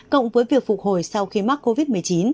cộng với việc phục hồi sau khi mắc covid một mươi chín